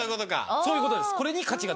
そういうことです。